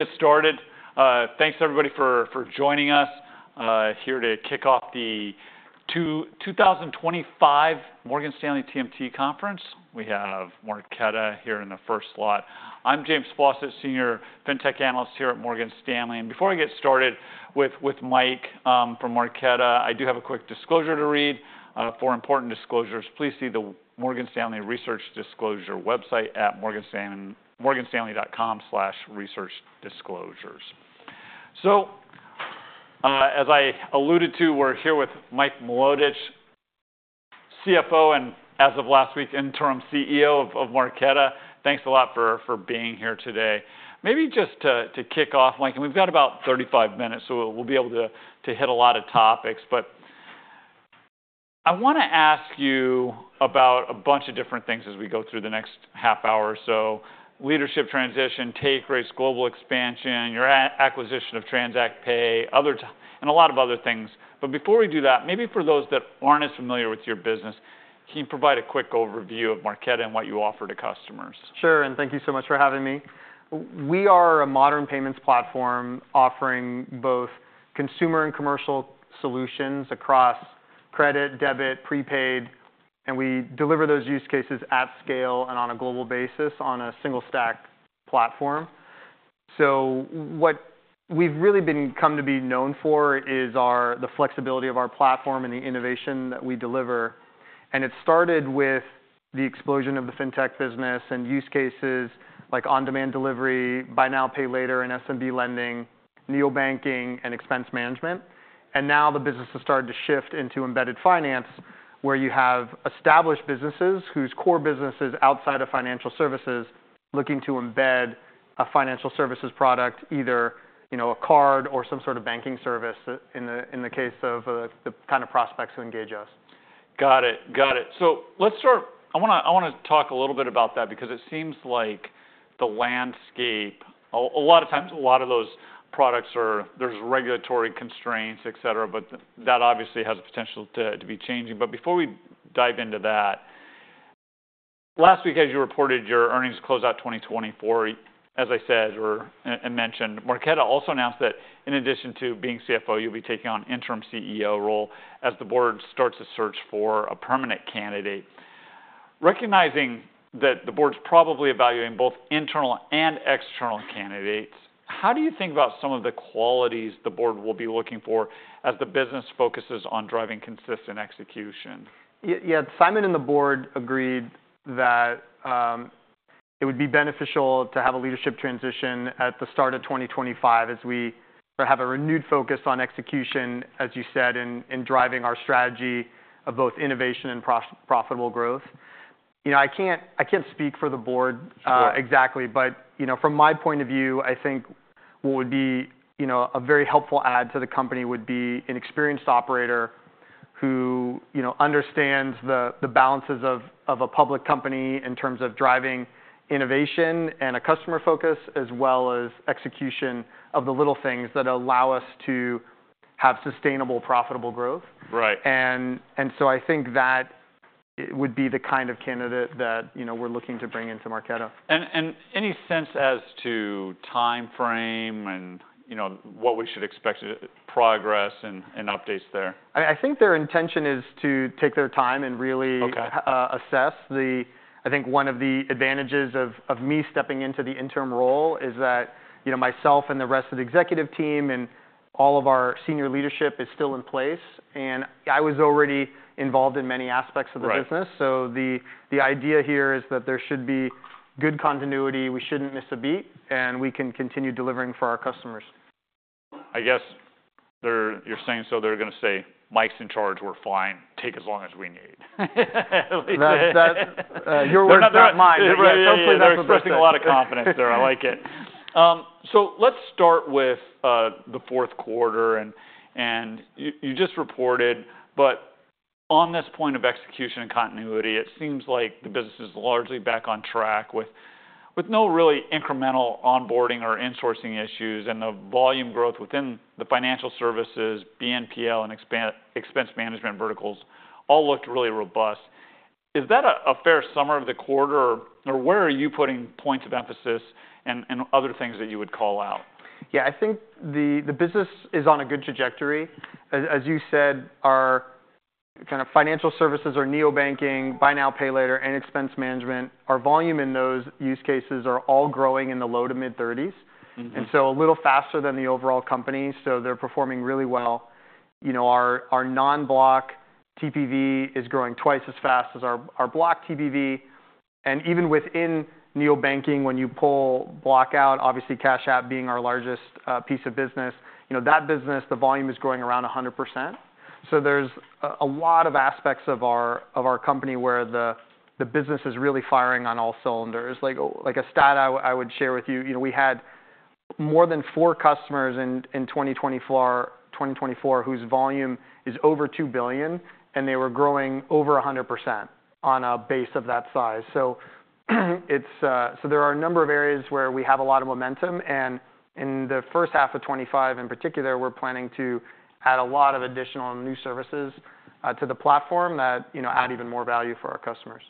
Get started. Thanks, everybody, for joining us here to kick off the 2025 Morgan Stanley TMT Conference. We have Marqeta here in the first slot. I'm James Faucette, Senior Fintech Analyst here at Morgan Stanley. And before I get started with Mike from Marqeta, I do have a quick disclosure to read. For important disclosures, please see the Morgan Stanley Research Disclosure website at morganstanley.com/researchdisclosures. So, as I alluded to, we're here with Mike Milotich, CFO and, as of last week, interim CEO of Marqeta. Thanks a lot for being here today. Maybe just to kick off, Mike, and we've got about 35 minutes, so we'll be able to hit a lot of topics. But I want to ask you about a bunch of different things as we go through the next half hour or so: leadership transition, take rates, global expansion, your acquisition of TransactPay, and a lot of other things. But before we do that, maybe for those that aren't as familiar with your business, can you provide a quick overview of Marqeta and what you offer to customers? Sure, and thank you so much for having me. We are a modern payments platform offering both consumer and commercial solutions across credit, debit, prepaid, and we deliver those use cases at scale and on a global basis on a single-stack platform, so what we've really come to be known for is the flexibility of our platform and the innovation that we deliver, and it started with the explosion of the fintech business and use cases like on-demand delivery, Buy Now, Pay Later, and SMB lending, neobanking, and expense management, and now the business has started to shift into embedded finance, where you have established businesses whose core business is outside of financial services looking to embed a financial services product, either a card or some sort of banking service in the case of the kind of prospects who engage us. Got it. Got it. So let's start. I want to talk a little bit about that because it seems like the landscape, a lot of times, a lot of those products are, there's regulatory constraints, et cetera, but that obviously has the potential to be changing. But before we dive into that, last week, as you reported, your earnings close out 2024. As I said and mentioned, Marqeta also announced that in addition to being CFO, you'll be taking on an interim CEO role as the board starts to search for a permanent candidate. Recognizing that the board's probably evaluating both internal and external candidates, how do you think about some of the qualities the board will be looking for as the business focuses on driving consistent execution? Yeah. Simon and the board agreed that it would be beneficial to have a leadership transition at the start of 2025 as we have a renewed focus on execution, as you said, in driving our strategy of both innovation and profitable growth. I can't speak for the board exactly, but from my point of view, I think what would be a very helpful add to the company would be an experienced operator who understands the balances of a public company in terms of driving innovation and a customer focus, as well as execution of the little things that allow us to have sustainable, profitable growth. And so I think that would be the kind of candidate that we're looking to bring into Marqeta. Any sense as to time frame and what we should expect, progress, and updates there? I think their intention is to take their time and really assess. I think one of the advantages of me stepping into the interim role is that myself and the rest of the executive team and all of our senior leadership is still in place, and I was already involved in many aspects of the business, so the idea here is that there should be good continuity. We shouldn't miss a beat, and we can continue delivering for our customers. I guess you're saying so they're going to say, "Mike's in charge. We're fine. Take as long as we need. That's your words, not mine. Hopefully, that's expressing a lot of confidence there. I like it. So let's start with the fourth quarter. And you just reported, but on this point of execution and continuity, it seems like the business is largely back on track with no really incremental onboarding or insourcing issues. And the volume growth within the financial services, BNPL, and expense management verticals all looked really robust. Is that a fair summary of the quarter, or where are you putting points of emphasis and other things that you would call out? Yeah. I think the business is on a good trajectory. As you said, our kind of financial services are neobanking, buy now, pay later, and expense management. Our volume in those use cases are all growing in the low to mid-30s%, and so a little faster than the overall company. So they're performing really well. Our Non-Block TPV is growing twice as fast as our Block TPV. And even within neobanking, when you pull Block out, obviously Cash App being our largest piece of business, that business, the volume is growing around 100%. So there's a lot of aspects of our company where the business is really firing on all cylinders. Like a stat I would share with you, we had more than four customers in 2024 whose volume is over $2 billion, and they were growing over 100% on a base of that size. So there are a number of areas where we have a lot of momentum. And in the first half of 2025, in particular, we're planning to add a lot of additional new services to the platform that add even more value for our customers.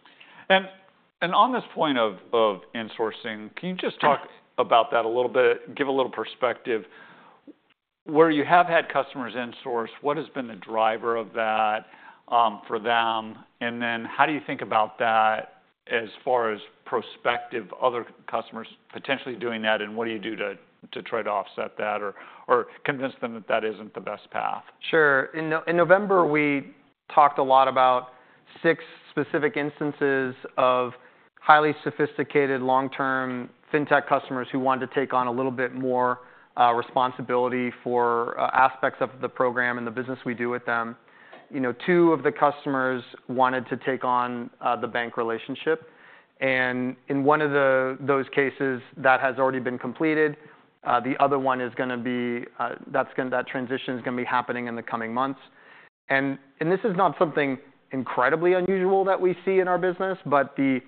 And on this point of insourcing, can you just talk about that a little bit, give a little perspective? Where you have had customers insource, what has been the driver of that for them? And then how do you think about that as far as prospective other customers potentially doing that? And what do you do to try to offset that or convince them that that isn't the best path? Sure. In November, we talked a lot about six specific instances of highly sophisticated, long-term fintech customers who wanted to take on a little bit more responsibility for aspects of the program and the business we do with them. Two of the customers wanted to take on the bank relationship. And in one of those cases, that has already been completed. The other one is going to be that transition is going to be happening in the coming months. And this is not something incredibly unusual that we see in our business, but the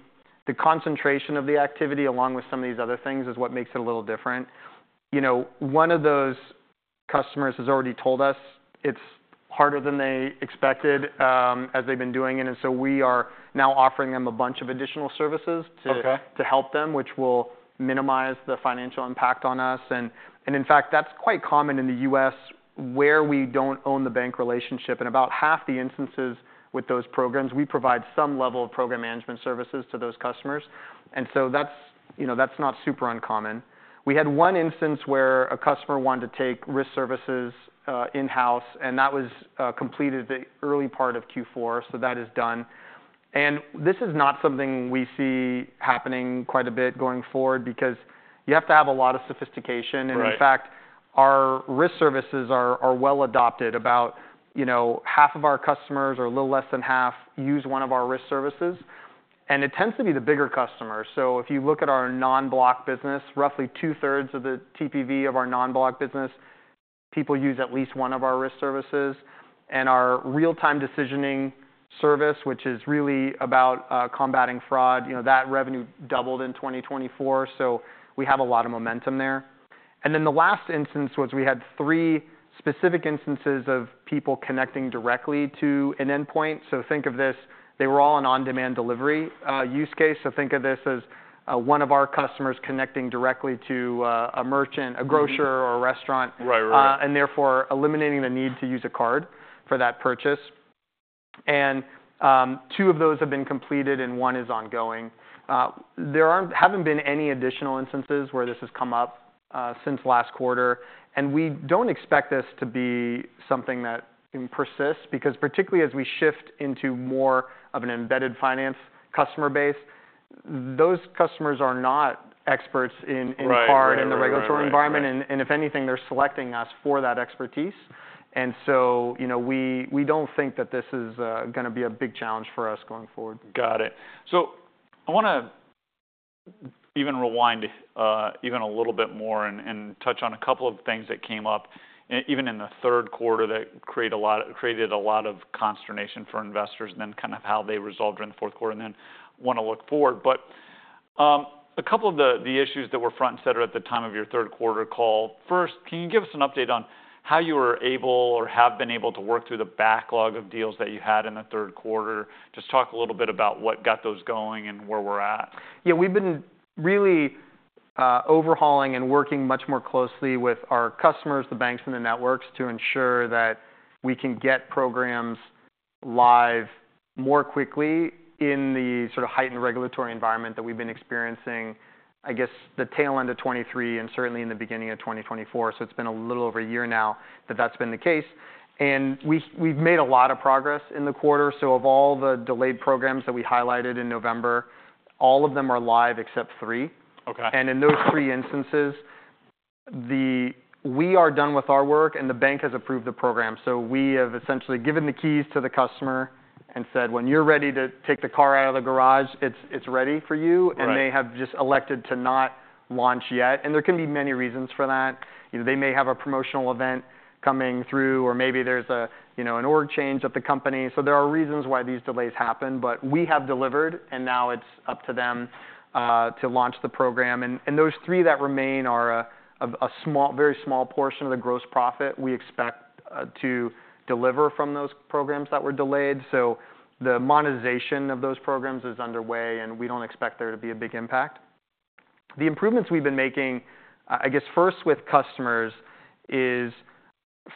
concentration of the activity, along with some of these other things, is what makes it a little different. One of those customers has already told us it's harder than they expected as they've been doing it. And so we are now offering them a bunch of additional services to help them, which will minimize the financial impact on us. And in fact, that's quite common in the U.S. where we don't own the bank relationship. In about half the instances with those programs, we provide some level of program management services to those customers. And so that's not super uncommon. We had one instance where a customer wanted to take risk services in-house, and that was completed the early part of Q4. So that is done. And this is not something we see happening quite a bit going forward because you have to have a lot of sophistication. And in fact, our risk services are well adopted. About half of our customers, or a little less than half, use one of our risk services. And it tends to be the bigger customers. So if you look at our Non-Block business, roughly two-thirds of the TPV of our Non-Block business, people use at least one of our risk services. And our real-time decisioning service, which is really about combating fraud, that revenue doubled in 2024. So we have a lot of momentum there. And then the last instance was we had three specific instances of people connecting directly to an endpoint. So think of this, they were all an on-demand delivery use case. So think of this as one of our customers connecting directly to a merchant, a grocer, or a restaurant, and therefore eliminating the need to use a card for that purchase. And two of those have been completed, and one is ongoing. There haven't been any additional instances where this has come up since last quarter. And we don't expect this to be something that can persist because particularly as we shift into more of an embedded finance customer base, those customers are not experts in card and the regulatory environment. And if anything, they're selecting us for that expertise. And so we don't think that this is going to be a big challenge for us going forward. Got it. So I want to even rewind even a little bit more and touch on a couple of things that came up even in the third quarter that created a lot of consternation for investors and then kind of how they resolved during the fourth quarter and then want to look forward. But a couple of the issues that were front and center at the time of your third quarter call. First, can you give us an update on how you were able or have been able to work through the backlog of deals that you had in the third quarter? Just talk a little bit about what got those going and where we're at. Yeah. We've been really overhauling and working much more closely with our customers, the banks, and the networks to ensure that we can get programs live more quickly in the sort of heightened regulatory environment that we've been experiencing, I guess, the tail end of 2023 and certainly in the beginning of 2024. So it's been a little over a year now that that's been the case. And we've made a lot of progress in the quarter. So of all the delayed programs that we highlighted in November, all of them are live except three. And in those three instances, we are done with our work, and the bank has approved the program. So we have essentially given the keys to the customer and said, "When you're ready to take the car out of the garage, it's ready for you." And they have just elected to not launch yet. There can be many reasons for that. They may have a promotional event coming through, or maybe there's an org change at the company. There are reasons why these delays happen. We have delivered, and now it's up to them to launch the program. Those three that remain are a very small portion of the gross profit we expect to deliver from those programs that were delayed. The monetization of those programs is underway, and we don't expect there to be a big impact. The improvements we've been making, I guess, first with customers is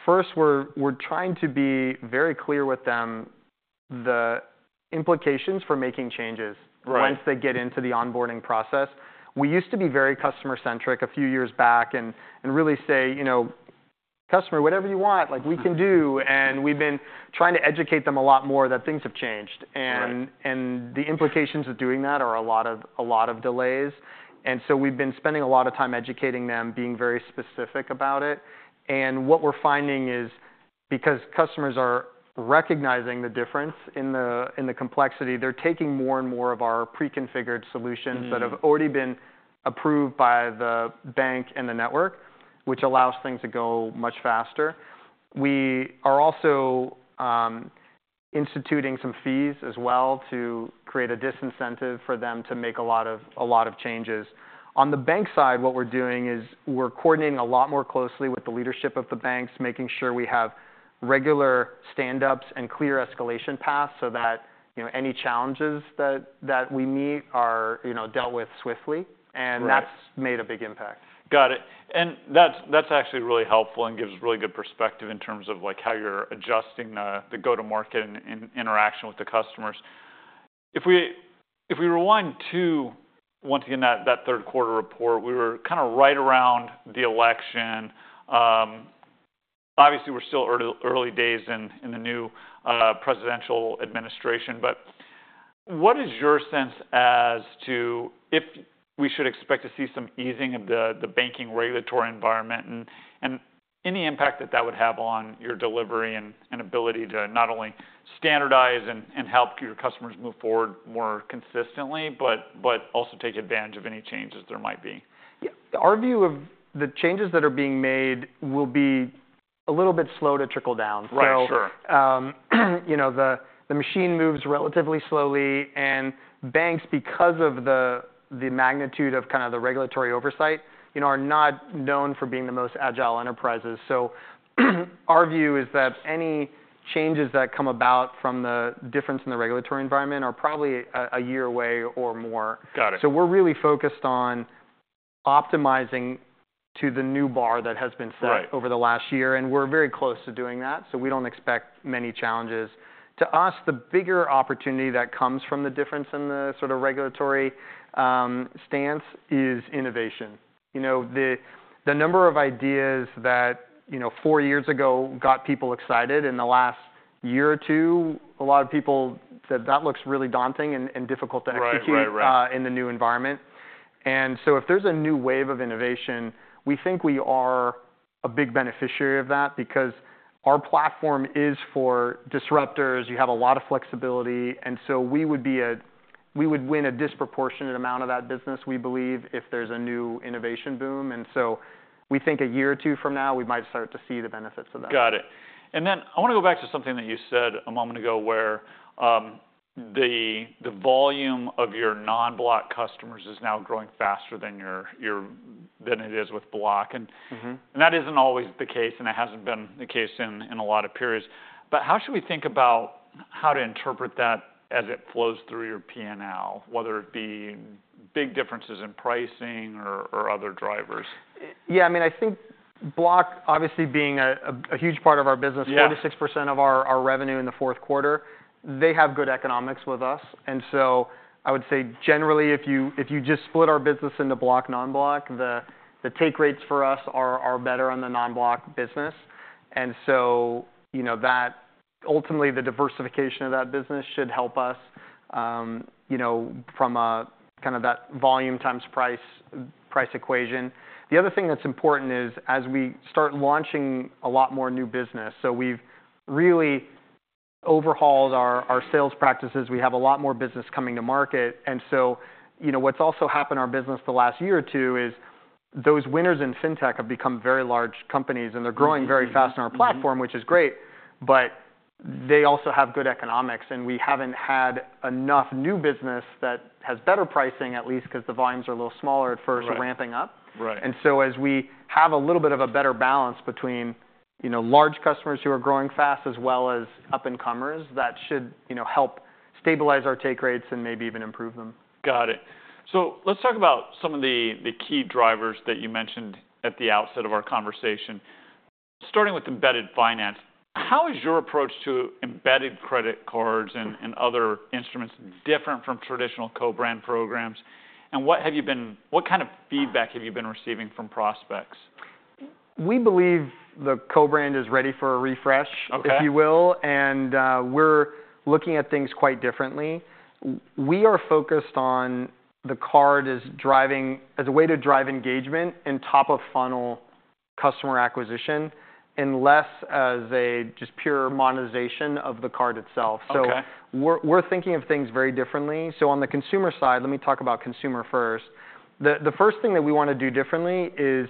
first we're trying to be very clear with them the implications for making changes once they get into the onboarding process. We used to be very customer-centric a few years back and really say, "Customer, whatever you want, we can do." And we've been trying to educate them a lot more that things have changed. And the implications of doing that are a lot of delays. And so we've been spending a lot of time educating them, being very specific about it. And what we're finding is because customers are recognizing the difference in the complexity, they're taking more and more of our pre-configured solutions that have already been approved by the bank and the network, which allows things to go much faster. We are also instituting some fees as well to create a disincentive for them to make a lot of changes. On the bank side, what we're doing is we're coordinating a lot more closely with the leadership of the banks, making sure we have regular stand-ups and clear escalation paths so that any challenges that we meet are dealt with swiftly, and that's made a big impact. Got it. And that's actually really helpful and gives really good perspective in terms of how you're adjusting the go-to-market and interaction with the customers. If we rewind to, once again, that third quarter report, we were kind of right around the election. Obviously, we're still early days in the new presidential administration. But what is your sense as to if we should expect to see some easing of the banking regulatory environment and any impact that that would have on your delivery and ability to not only standardize and help your customers move forward more consistently, but also take advantage of any changes there might be? Our view of the changes that are being made will be a little bit slow to trickle down. So the machine moves relatively slowly. And banks, because of the magnitude of kind of the regulatory oversight, are not known for being the most agile enterprises. So our view is that any changes that come about from the difference in the regulatory environment are probably a year away or more. So we're really focused on optimizing to the new bar that has been set over the last year. And we're very close to doing that. So we don't expect many challenges. To us, the bigger opportunity that comes from the difference in the sort of regulatory stance is innovation. The number of ideas that four years ago got people excited, in the last year or two, a lot of people said that looks really daunting and difficult to execute in the new environment. And so if there's a new wave of innovation, we think we are a big beneficiary of that because our platform is for disruptors. You have a lot of flexibility. And so we would win a disproportionate amount of that business, we believe, if there's a new innovation boom. And so we think a year or two from now, we might start to see the benefits of that. Got it. And then I want to go back to something that you said a moment ago where the volume of your non-Block customers is now growing faster than it is with Block. And that isn't always the case, and it hasn't been the case in a lot of periods. But how should we think about how to interpret that as it flows through your P&L, whether it be big differences in pricing or other drivers? Yeah. I mean, I think Block, obviously, being a huge part of our business, 46% of our revenue in the fourth quarter, they have good economics with us. So I would say generally, if you just split our business into Block, non-Block, the take rates for us are better on the non-Block business. And so ultimately, the diversification of that business should help us from kind of that volume times price equation. The other thing that's important is as we start launching a lot more new business, so we've really overhauled our sales practices. We have a lot more business coming to market. And so what's also happened in our business the last year or two is those winners in fintech have become very large companies, and they're growing very fast on our platform, which is great, but they also have good economics. We haven't had enough new business that has better pricing, at least because the volumes are a little smaller at first, ramping up. So as we have a little bit of a better balance between large customers who are growing fast as well as up-and-comers, that should help stabilize our take rates and maybe even improve them. Got it. So let's talk about some of the key drivers that you mentioned at the outset of our conversation. Starting with embedded finance, how is your approach to embedded credit cards and other instruments different from traditional co-brand programs? And what kind of feedback have you been receiving from prospects? We believe the co-brand is ready for a refresh, if you will, and we're looking at things quite differently. We are focused on the card as a way to drive engagement and top-of-funnel customer acquisition and less as a just pure monetization of the card itself, so we're thinking of things very differently, so on the consumer side, let me talk about consumer first. The first thing that we want to do differently is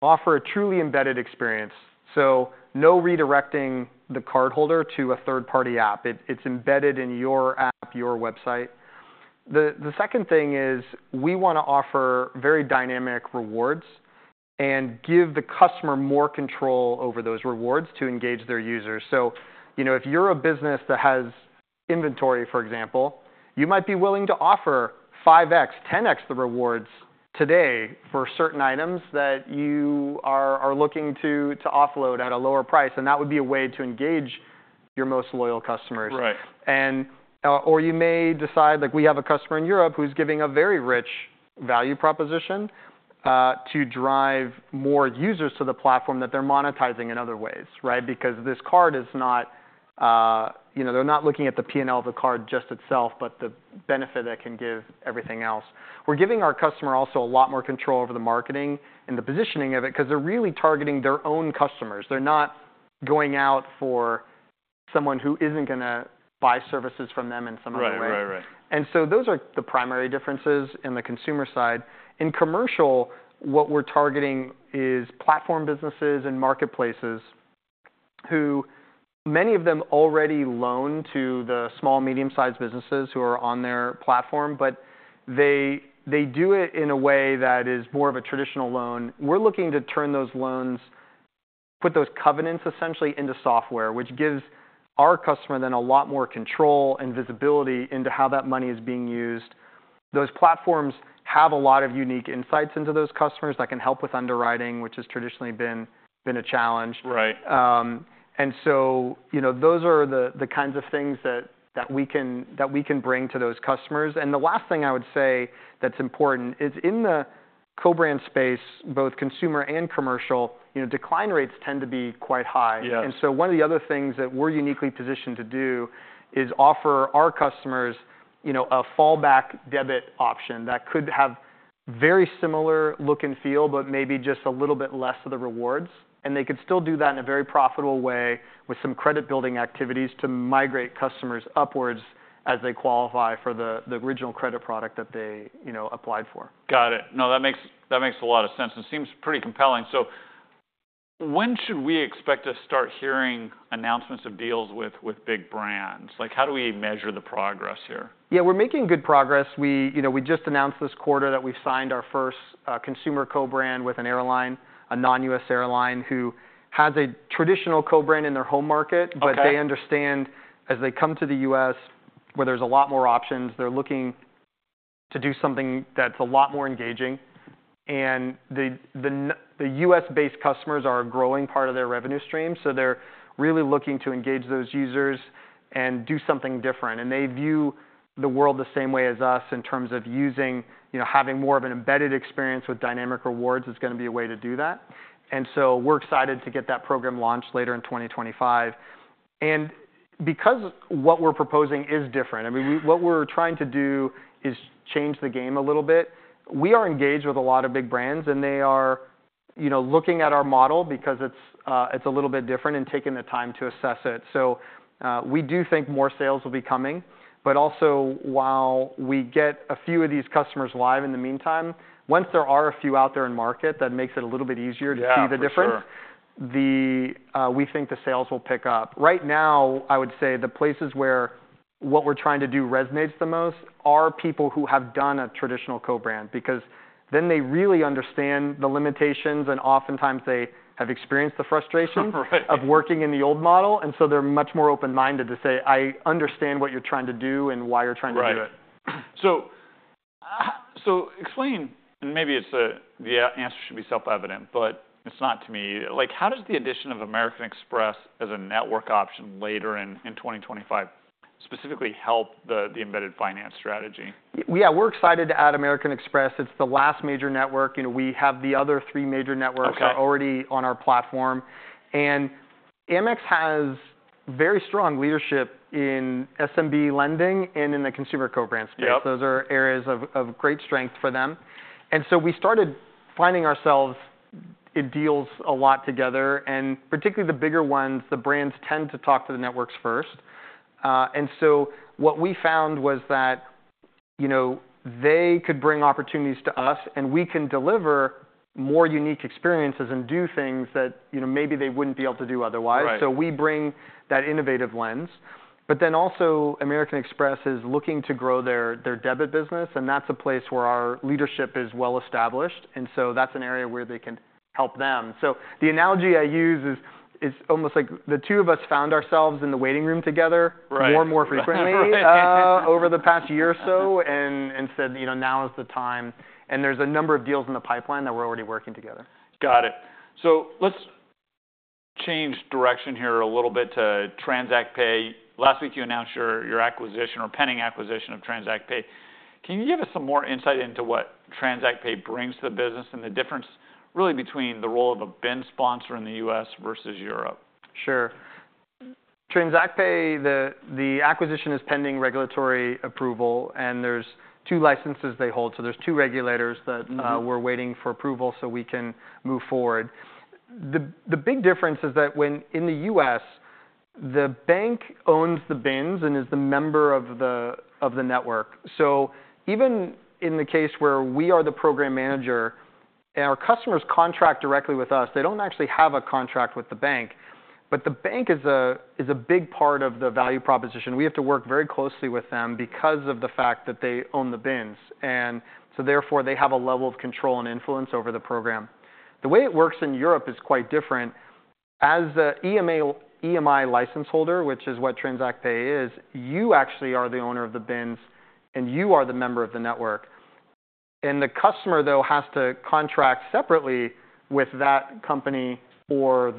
offer a truly embedded experience, so no redirecting the cardholder to a third-party app. It's embedded in your app, your website. The second thing is we want to offer very dynamic rewards and give the customer more control over those rewards to engage their users. So if you're a business that has inventory, for example, you might be willing to offer 5x, 10x the rewards today for certain items that you are looking to offload at a lower price. And that would be a way to engage your most loyal customers. Or you may decide, we have a customer in Europe who's giving a very rich value proposition to drive more users to the platform that they're monetizing in other ways, right? Because this card is not, they're not looking at the P&L of the card just itself, but the benefit that can give everything else. We're giving our customer also a lot more control over the marketing and the positioning of it because they're really targeting their own customers. They're not going out for someone who isn't going to buy services from them in some other way. And so those are the primary differences in the consumer side. In commercial, what we're targeting is platform businesses and marketplaces who many of them already loan to the small, medium-sized businesses who are on their platform, but they do it in a way that is more of a traditional loan. We're looking to turn those loans, put those covenants essentially into software, which gives our customer then a lot more control and visibility into how that money is being used. Those platforms have a lot of unique insights into those customers that can help with underwriting, which has traditionally been a challenge. And so those are the kinds of things that we can bring to those customers. And the last thing I would say that's important is in the co-brand space, both consumer and commercial, decline rates tend to be quite high. And so one of the other things that we're uniquely positioned to do is offer our customers a fallback debit option that could have very similar look and feel, but maybe just a little bit less of the rewards. And they could still do that in a very profitable way with some credit-building activities to migrate customers upwards as they qualify for the original credit product that they applied for. Got it. No, that makes a lot of sense and seems pretty compelling, so when should we expect to start hearing announcements of deals with big brands? How do we measure the progress here? Yeah. We're making good progress. We just announced this quarter that we've signed our first consumer co-brand with an airline, a non-U.S. airline, who has a traditional co-brand in their home market. But they understand as they come to the U.S., where there's a lot more options, they're looking to do something that's a lot more engaging. And the U.S.-based customers are a growing part of their revenue stream. So they're really looking to engage those users and do something different. And they view the world the same way as us in terms of having more of an embedded experience with dynamic rewards is going to be a way to do that. And so we're excited to get that program launched later in 2025. And because what we're proposing is different, I mean, what we're trying to do is change the game a little bit. We are engaged with a lot of big brands, and they are looking at our model because it's a little bit different and taking the time to assess it, so we do think more sales will be coming. But also, while we get a few of these customers live in the meantime, once there are a few out there in market, that makes it a little bit easier to see the difference. We think the sales will pick up. Right now, I would say the places where what we're trying to do resonates the most are people who have done a traditional co-brand because then they really understand the limitations, and oftentimes, they have experienced the frustration of working in the old model, and so they're much more open-minded to say, "I understand what you're trying to do and why you're trying to do it. Right. So explain, and maybe the answer should be self-evident, but it's not to me. How does the addition of American Express as a network option later in 2025 specifically help the embedded finance strategy? Yeah. We're excited to add American Express. It's the last major network. We have the other three major networks that are already on our platform, and AMEX has very strong leadership in SMB lending and in the consumer co-brand space. Those are areas of great strength for them, so we started finding ourselves in deals a lot together. Particularly the bigger ones, the brands tend to talk to the networks first, so what we found was that they could bring opportunities to us, and we can deliver more unique experiences and do things that maybe they wouldn't be able to do otherwise. We bring that innovative lens, but then also, American Express is looking to grow their debit business. That's a place where our leadership is well established, so that's an area where they can help them. So the analogy I use is almost like the two of us found ourselves in the waiting room together more and more frequently over the past year or so and said, "Now is the time." And there's a number of deals in the pipeline that we're already working together. Got it. So let's change direction here a little bit to TransactPay. Last week, you announced your pending acquisition of TransactPay. Can you give us some more insight into what TransactPay brings to the business and the difference really between the role of a BIN sponsor in the U.S. versus Europe? Sure. TransactPay, the acquisition is pending regulatory approval. And there's two licenses they hold. So there's two regulators that we're waiting for approval so we can move forward. The big difference is that in the U.S., the bank owns the BINs and is the member of the network. So even in the case where we are the program manager, our customers contract directly with us. They don't actually have a contract with the bank. But the bank is a big part of the value proposition. We have to work very closely with them because of the fact that they own the BINs. And so therefore, they have a level of control and influence over the program. The way it works in Europe is quite different. As an EMI license holder, which is what TransactPay is, you actually are the owner of the BINs, and you are the member of the network. And the customer, though, has to contract separately with that company or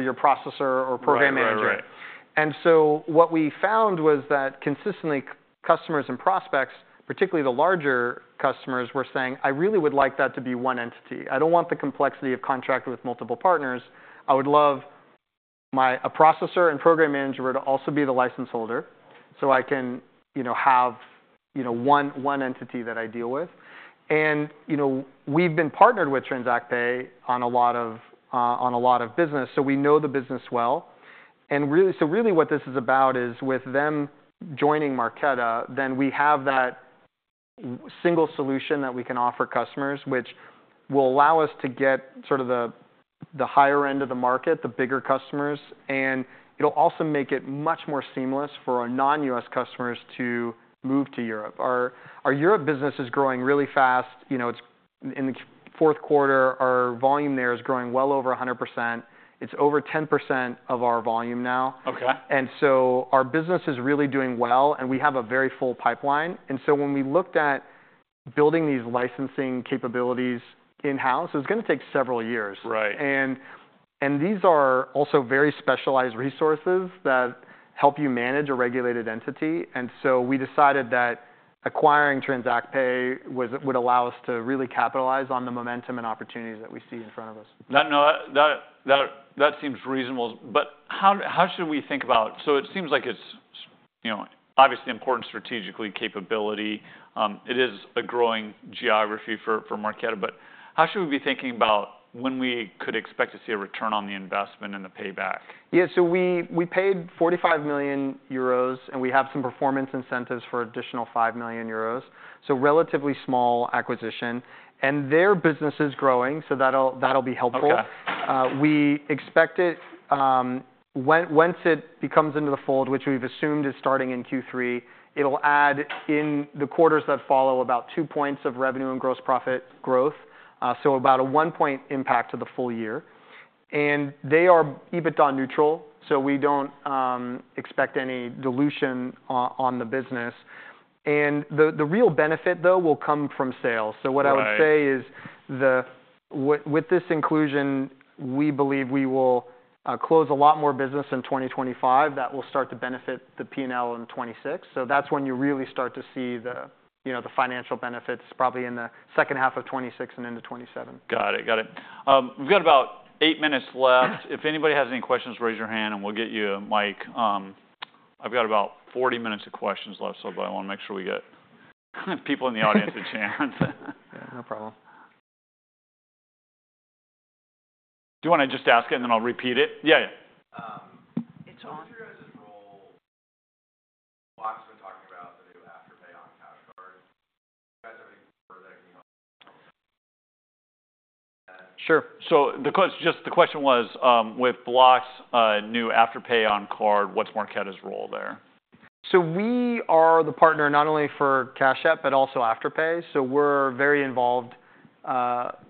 your processor or program manager. And so what we found was that consistently, customers and prospects, particularly the larger customers, were saying, "I really would like that to be one entity. I don't want the complexity of contracting with multiple partners. I would love a processor and program manager to also be the license holder so I can have one entity that I deal with." And we've been partnered with TransactPay on a lot of business. So we know the business well. And so really, what this is about is with them joining Marqeta, then we have that single solution that we can offer customers, which will allow us to get sort of the higher end of the market, the bigger customers. And it'll also make it much more seamless for our non-U.S. customers to move to Europe. Our Europe business is growing really fast. In the fourth quarter, our volume there is growing well over 100%. It's over 10% of our volume now. And so our business is really doing well. And we have a very full pipeline. And so when we looked at building these licensing capabilities in-house, it was going to take several years. And these are also very specialized resources that help you manage a regulated entity. We decided that acquiring TransactPay would allow us to really capitalize on the momentum and opportunities that we see in front of us. That seems reasonable. But how should we think about it? So it seems like it's obviously important strategic capability. It is a growing geography for Marqeta. But how should we be thinking about when we could expect to see a return on the investment and the payback? Yeah. So we paid 45 million euros, and we have some performance incentives for an additional 5 million euros. So relatively small acquisition. And their business is growing, so that'll be helpful. We expect it once it becomes into the fold, which we've assumed is starting in Q3. It'll add in the quarters that follow about two points of revenue and gross profit growth, so about a one-point impact to the full year. And they are EBITDA neutral, so we don't expect any dilution on the business. And the real benefit, though, will come from sales. So what I would say is with this inclusion, we believe we will close a lot more business in 2025 that will start to benefit the P&L in 2026. So that's when you really start to see the financial benefits probably in the second half of 2026 and into 2027. Got it. Got it. We've got about eight minutes left. If anybody has any questions, raise your hand, and we'll get you a mic. I've got about 40 minutes of questions left, so I want to make sure we get people in the audience a chance. Yeah. No problem. Do you want to just ask it, and then I'll repeat it? Yeah. Yeah. It's on. Block's been talking about the new Afterpay on Cash Card. Do you guys have any words that can be helpful? Sure. So just the question was, with Block's new Afterpay on card, what's Marqeta's role there? So we are the partner not only for Cash App, but also Afterpay. So we're very involved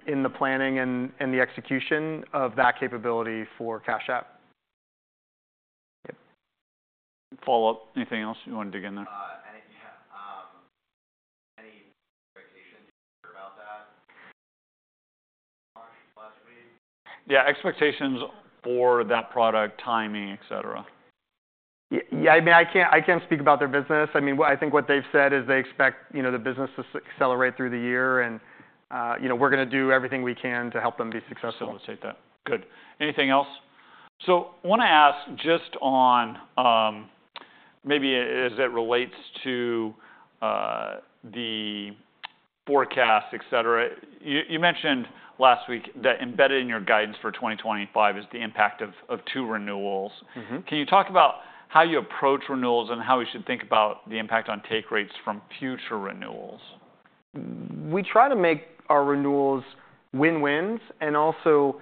in the planning and the execution of that capability for Cash App. Follow up, anything else you wanted to get in there? Yeah. Any expectations about that launch last week? Yeah. Expectations for that product, timing, etc. Yeah. I mean, I can't speak about their business. I mean, I think what they've said is they expect the business to accelerate through the year, and we're going to do everything we can to help them be successful. I'll just take that. Good. Anything else? So I want to ask just on maybe as it relates to the forecast, etc. You mentioned last week that embedded in your guidance for 2025 is the impact of two renewals. Can you talk about how you approach renewals and how we should think about the impact on take rates from future renewals? We try to make our renewals win-wins. And also,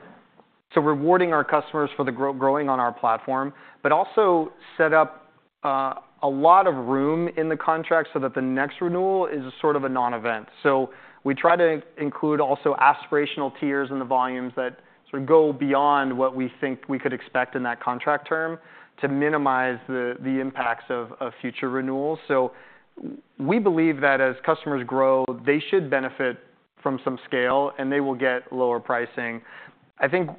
so rewarding our customers for growing on our platform, but also set up a lot of room in the contract so that the next renewal is sort of a non-event. So we try to include also aspirational tiers in the volumes that sort of go beyond what we think we could expect in that contract term to minimize the impacts of future renewals. So we believe that as customers grow, they should benefit from some scale, and they will get lower pricing. I think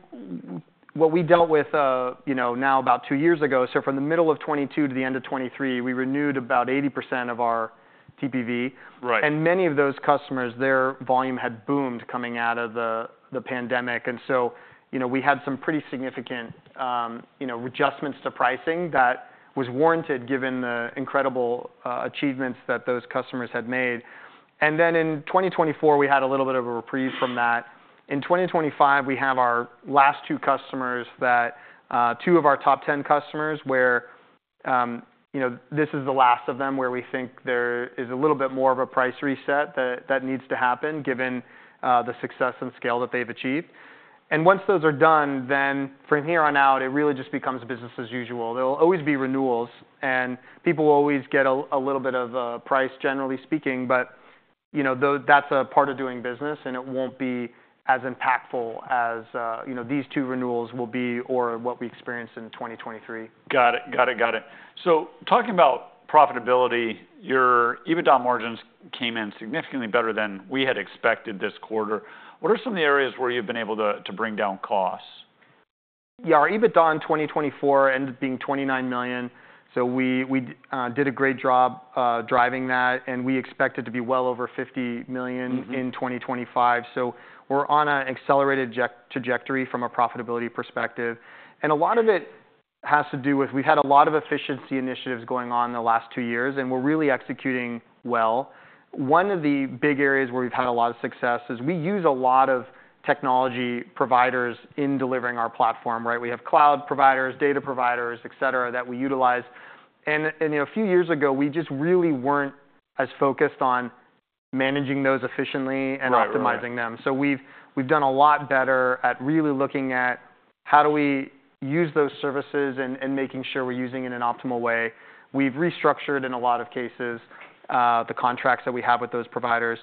what we dealt with now about two years ago, so from the middle of 2022 to the end of 2023, we renewed about 80% of our TPV. And many of those customers, their volume had boomed coming out of the pandemic. And so we had some pretty significant adjustments to pricing that was warranted given the incredible achievements that those customers had made. And then in 2024, we had a little bit of a reprieve from that. In 2025, we have our last two customers, two of our top 10 customers, where this is the last of them where we think there is a little bit more of a price reset that needs to happen given the success and scale that they've achieved. And once those are done, then from here on out, it really just becomes business as usual. There will always be renewals, and people will always get a little bit of a price, generally speaking. But that's a part of doing business, and it won't be as impactful as these two renewals will be or what we experienced in 2023. Got it. So talking about profitability, your EBITDA margins came in significantly better than we had expected this quarter. What are some of the areas where you've been able to bring down costs? Yeah. Our EBITDA in 2024 ended up being $29 million. So we did a great job driving that. And we expected to be well over $50 million in 2025. So we're on an accelerated trajectory from a profitability perspective. And a lot of it has to do with we've had a lot of efficiency initiatives going on in the last two years, and we're really executing well. One of the big areas where we've had a lot of success is we use a lot of technology providers in delivering our platform, right? We have cloud providers, data providers, etc., that we utilize. And a few years ago, we just really weren't as focused on managing those efficiently and optimizing them. So we've done a lot better at really looking at how do we use those services and making sure we're using it in an optimal way. We've restructured in a lot of cases the contracts that we have with those providers.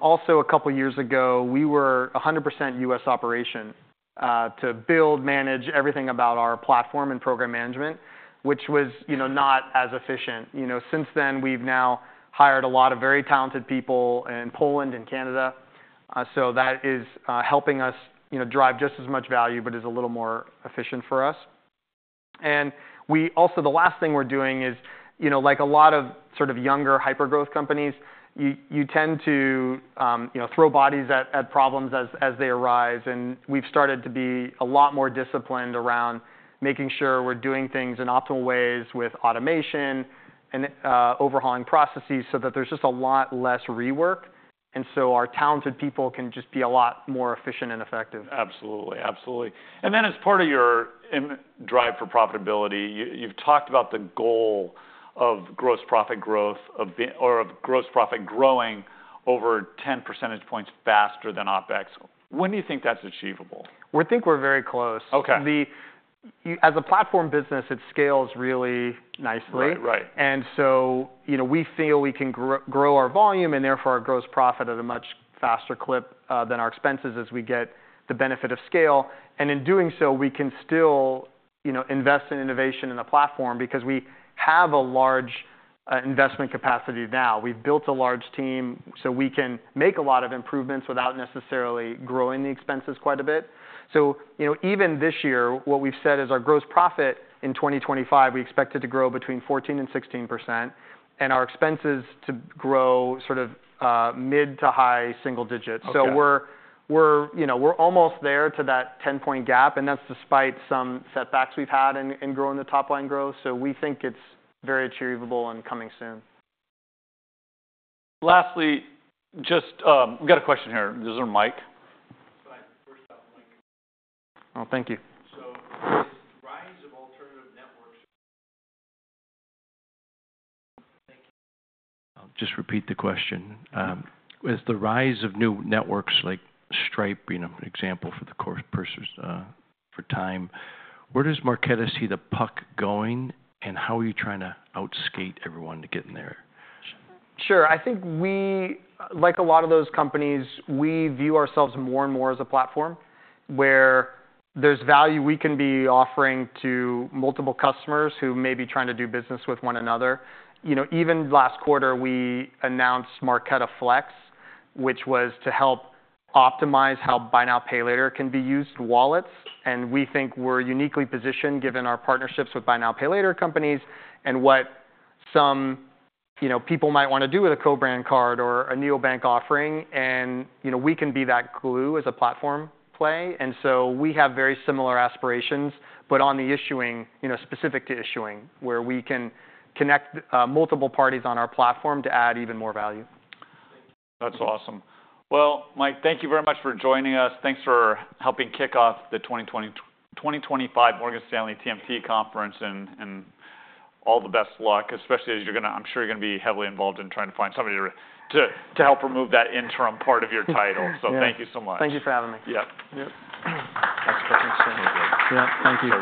Also, a couple of years ago, we were 100% U.S. operation to build, manage everything about our platform and program management, which was not as efficient. Since then, we've now hired a lot of very talented people in Poland and Canada. So that is helping us drive just as much value, but it's a little more efficient for us. And also, the last thing we're doing is like a lot of sort of younger hypergrowth companies, you tend to throw bodies at problems as they arise. And we've started to be a lot more disciplined around making sure we're doing things in optimal ways with automation and overhauling processes so that there's just a lot less rework. And so our talented people can just be a lot more efficient and effective. Absolutely. Absolutely. And then as part of your drive for profitability, you've talked about the goal of gross profit growth or of gross profit growing over 10 percentage points faster than OpEx. When do you think that's achievable? We think we're very close. As a platform business, it scales really nicely. And so we feel we can grow our volume and therefore our gross profit at a much faster clip than our expenses as we get the benefit of scale. And in doing so, we can still invest in innovation in the platform because we have a large investment capacity now. We've built a large team, so we can make a lot of improvements without necessarily growing the expenses quite a bit. So even this year, what we've said is our gross profit in 2025, we expect it to grow between 14% and 16%. And our expenses to grow sort of mid to high single digits. So we're almost there to that 10-point gap. And that's despite some setbacks we've had in growing the top line growth. So we think it's very achievable and coming soon. Lastly, just we've got a question here. Is there a mic? Hi. First off, Mike. Oh, thank you. With this rise of alternative networks. I'll just repeat the question. With the rise of new networks like Stripe, an example for the course of time, where does Marqeta see the puck going? And how are you trying to outskate everyone to get in there? Sure. I think like a lot of those companies, we view ourselves more and more as a platform where there's value we can be offering to multiple customers who may be trying to do business with one another. Even last quarter, we announced Marqeta Flex, which was to help optimize how Buy Now, Pay Later can be used wallets. And we think we're uniquely positioned given our partnerships with Buy Now, Pay Later companies and what some people might want to do with a co-brand card or a neobank offering. And we can be that glue as a platform play. And so we have very similar aspirations, but on the issuing specific to issuing where we can connect multiple parties on our platform to add even more value. That's awesome. Well, Mike, thank you very much for joining us. Thanks for helping kick off the 2025 Morgan Stanley TMT Conference. And all the best luck, especially as you're going to, I'm sure, you're going to be heavily involved in trying to find somebody to help remove that interim part of your title. So thank you so much. Thank you for having me. Yeah. Yeah. Yep. That's perfect. Yeah. Thank you.